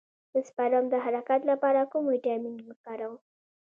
د سپرم د حرکت لپاره کوم ویټامین وکاروم؟